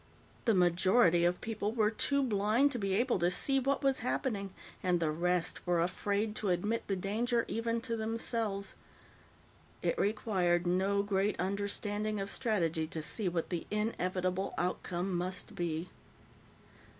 The majority of people were too blind to be able to see what was happening, and the rest were afraid to admit the danger, even to themselves. It required no great understanding of strategy to see what the inevitable outcome must be.